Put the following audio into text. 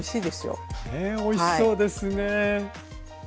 ねおいしそうですね。